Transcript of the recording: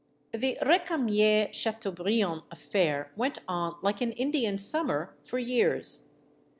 The Recamier Chateaubriand affair went on like an Indian summer, for years.